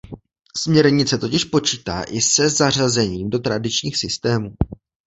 Směrnice totiž počítá i se zařazením do tradičních systémů.